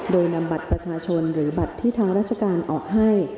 โดยนำบัตรประชาชนหรือบัตรที่ทางราชการออกให้